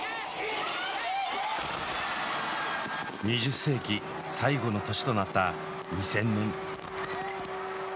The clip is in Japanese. ２０世紀最後の年となった２０００年。